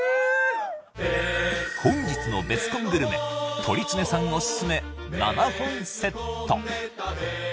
本日のベスコングルメ鳥常さんオススメ７本セット